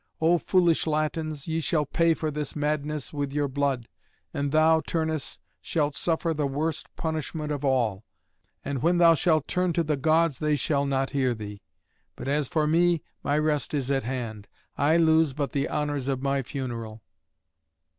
O foolish Latins, ye shall pay for this madness with your blood, and thou, Turnus, shalt suffer the worst punishment of all; and when thou shalt turn to the Gods they shall not hear thee. But as for me, my rest is at hand; I lose but the honours of my funeral."